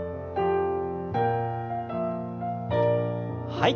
はい。